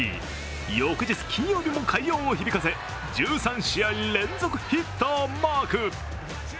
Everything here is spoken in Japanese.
翌日、金曜日も快音を響かせ１３試合連続ヒットをマーク。